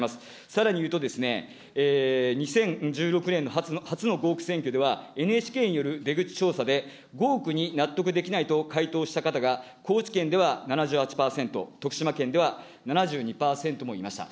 さらに言うと、２０１６年、初の合区選挙では、ＮＨＫによる出口調査で、合区に納得できないと回答した方が、高知県では７８％、徳島県では７２％もいました。